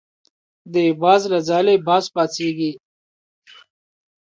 د باز له ځالې باز پاڅېږي.